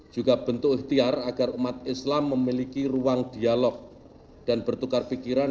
juga bentuk ikhtiar agar umat islam memiliki ruang dialog dan bertukar pikiran